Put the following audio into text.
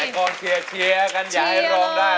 ก้อนเฉยการให้ร้องได้